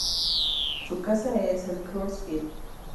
Su casa es el Coors Field.